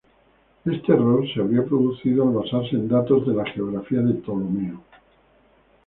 Este error se habría producido al basarse en datos de la "Geografía" de Ptolomeo.